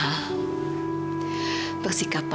lagi telepon siapa gue kayaknya kawan